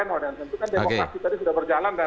dan tentu kan demokrasi tadi sudah berjalan